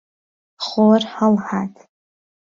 خۆر هەڵهات.